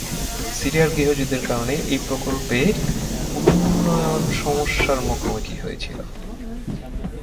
সিরিয়ার গৃহযুদ্ধের কারণে এই প্রকল্পের উন্নয়ন সমস্যার মুখোমুখি হয়েছিল।